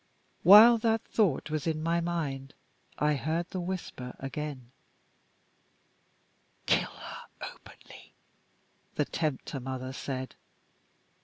While that thought was in my mind, I heard the whisper again. "Kill her openly," the tempter mother said.